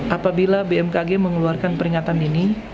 apabila bmkg mengeluarkan peringatan ini